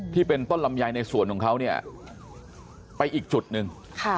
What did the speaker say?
ที่เป็นต้นลำไยในส่วนของเขาเนี่ยไปอีกจุดหนึ่ง